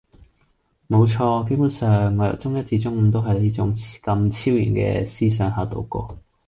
冇錯，基本上，我由中一至中五都係喺呢種咁超然嘅思想下度過